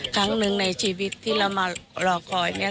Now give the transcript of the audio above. ครั้งหนึ่งในชีวิตที่เรามารอคอยเนี่ย